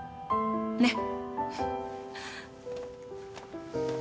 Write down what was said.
ねっ。